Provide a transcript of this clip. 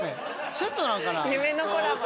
セットなんかな。